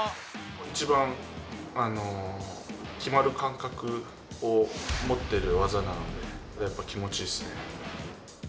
一番決まる感覚を持ってる技なのでやっぱ気持ちいいっすね。